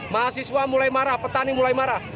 mahasiswa mulai marah petani mulai marah